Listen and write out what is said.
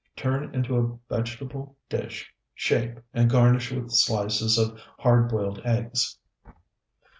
Turn into a vegetable dish, shape, and garnish with slices of hard boiled eggs.